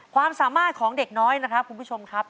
ความสามารถของเด็กน้อยนะครับคุณผู้ชมครับ